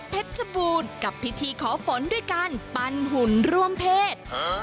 ปั้นหุ่นร่วมเพศ